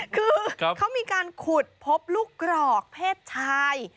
คือเขามีการขุดพบลูกกรอกเพศชาย